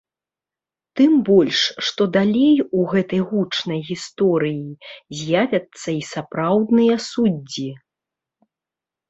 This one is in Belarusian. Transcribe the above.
Тым больш, што далей у гэтай гучнай гісторыі з'явяцца і сапраўдныя суддзі.